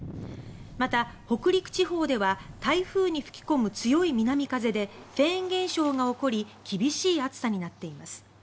また、北陸地方では台風に吹き込む強い南風でフェーン現象が起こり厳しい暑さになっています。